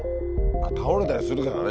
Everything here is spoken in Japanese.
倒れたりするからね